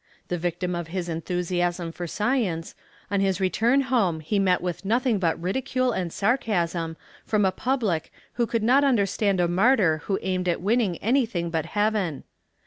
The victim of his enthusiasm for science, on his return home he met with nothing but ridicule and sarcasm from a public who could not understand a martyr who aimed at winning anything but Heaven.